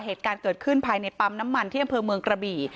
เหตุการณ์เกิดขึ้นภายในปั๊มน้ำมันที่อำเภอเมืองกระบี่